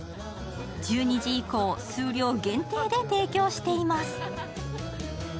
１２時以降、数量限定で提供しています。